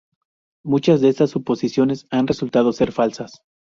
Muchas de estas suposiciones han resultado ser falsas.